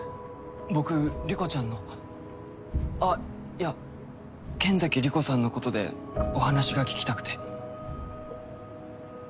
僕莉子ちゃんのあっいや剣崎莉子さんのことでお話が聞きたくて。